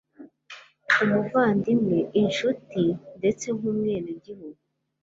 umuvandimwe, inshuti, ndetse nk'umwenegihugu